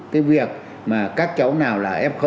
cái việc mà các cháu nào là f